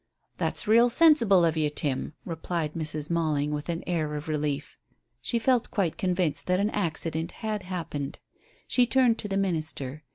"That's real sensible of you, Tim," replied Mrs. Malling, with an air of relief. She felt quite convinced that an accident had happened. She turned to the minister.